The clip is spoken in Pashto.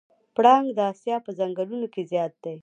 پړانګ د اسیا په ځنګلونو کې زیات دی.